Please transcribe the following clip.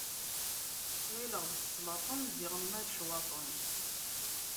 Ɣileɣ d sslaṭen, ziɣemma d ccwaṭen.